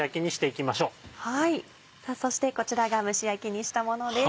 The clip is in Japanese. さぁそしてこちらが蒸し焼きにしたものです。